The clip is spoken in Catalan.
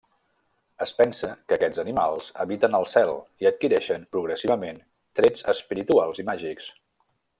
Es pensa que aquests animals habiten al cel i adquireixen progressivament trets espirituals i màgics.